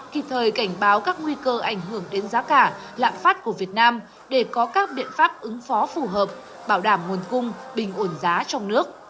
kịp thời cảnh báo các nguy cơ ảnh hưởng đến giá cả lạm phát của việt nam để có các biện pháp ứng phó phù hợp bảo đảm nguồn cung bình ổn giá trong nước